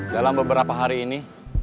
dalam beberapa hari ini